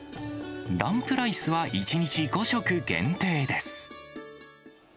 ランプライスは１日５食限定です。